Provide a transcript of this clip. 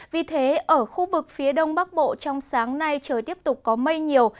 vì thế ở khu vực phía đông bắc bộ trong sáng nay trời tiếp tục có mây nhiều